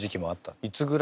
いつぐらい？